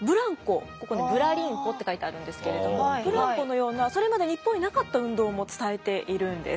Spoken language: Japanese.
ここ「ブラリンコ」って書いてあるんですけれどもブランコのようなそれまで日本になかった運動も伝えているんです。